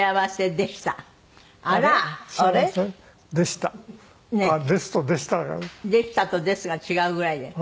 「でした」と「です」が違うぐらいで。